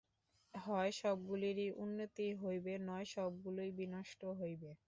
হয় সবগুলিরই উন্নতি হইবে, নয় সবগুলিই বিনষ্ট হইবে।